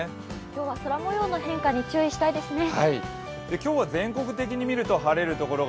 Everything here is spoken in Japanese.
今日は空もようの変化に注意したいですね。